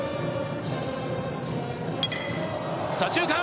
左中間。